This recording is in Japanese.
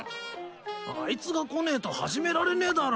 あいつが来ねえと始められねえだろ。